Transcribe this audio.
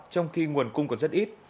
trong khi nguồn cung còn rất ít